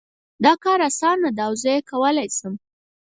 دا کار اسانه ده او زه یې کولای شم